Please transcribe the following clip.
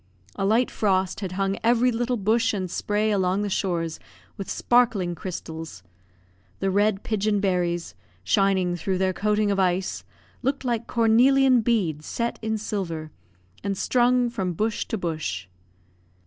A slight frost had hung every little bush and spray along the shores with sparkling crystals. The red pigeon berries, shining through their coating of ice, looked like cornelian beads set in silver, and strung from bush to bush.